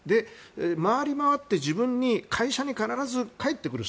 回りまわって自分に会社に必ず返ってくる。